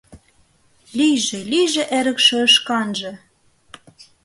Лийже, лийже эрыкше ышканже.